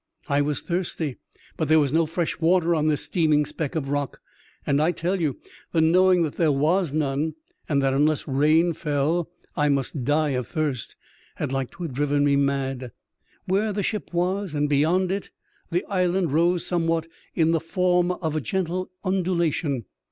I was thirsty, but there was no fresh water on this steaming speck of rock, and I tell you, the knowing that there was none, and that unless rain fell I must die of thirst, had like to have driven me mad. Where the ship was and beyond it, the island rose some what in the formx)f a gentle undulation.